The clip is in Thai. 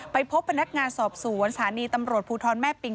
ไปพบเป็นนักงานสอบสนศรรย์สานีตำรวจพูทรแม่ปิง